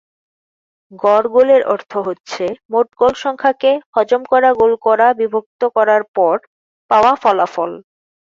গড় গোলের অর্থ হচ্ছে মোট গোল সংখ্যাকে হজম করা গোল করা বিভক্ত করার পর পাওয়া ফলাফল।